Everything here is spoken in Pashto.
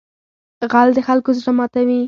غل د خلکو زړه ماتوي